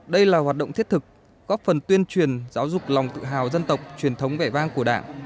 đây là hoạt động thiết thực góp phần tuyên truyền giáo dục lòng tự hào dân tộc truyền thống vẻ vang của đảng